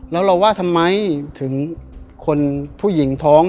แล้วเราว่าทำไมถึงคนผู้หญิงท้อง